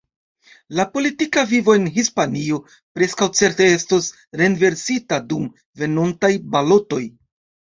La politika vivo en Hispanio preskaŭ certe estos renversita dum venontaj balotoj.